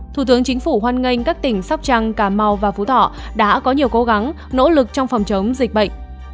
thủ tướng chính phủ hoan nghênh các tỉnh sóc trăng cà mau và phú thọ đã có nhiều cố gắng nỗ lực trong phòng chống dịch bệnh